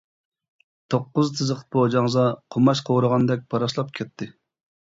توققۇز تىزىق پوجاڭزا قوماچ قورۇغاندەك پاراسلاپ كەتتى.